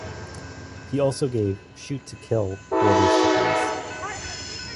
He also gave "shoot to kill" orders to police.